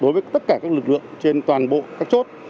đối với tất cả các lực lượng trên toàn bộ các chốt